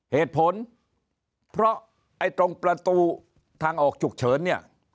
เหตุผลเพราะตรงประตูทางออกฉุกเฉิน